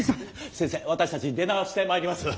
先生私たち出直してまいります。